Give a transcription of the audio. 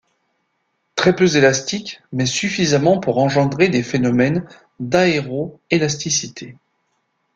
Très peu élastiques mais suffisamment pour engendrer des phénomènes d'aéroélasticité.